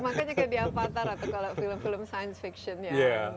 makanya kayak di avatar atau kalau film film science fiction ya